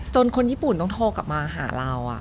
คนญี่ปุ่นต้องโทรกลับมาหาเรา